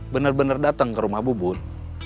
bener bener datang ke rumah bubur